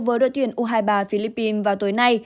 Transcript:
với đội tuyển u hai mươi ba philippines vào tối nay